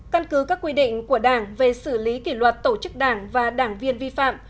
căn cứ các quy định của đảng về xử lý kỷ luật tổ chức đảng và đảng viên vi phạm